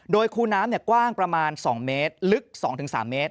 โดยคูน้ำกว้างประมาณ๒เมตรลึก๒๓เมตร